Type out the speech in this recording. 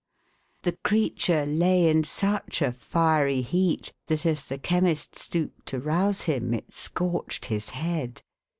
The creature lay in such a fiery heat, that, as the Chemi>t stooped to rouse him, it scorched his head.